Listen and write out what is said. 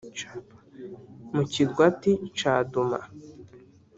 mu kirwati ca Duma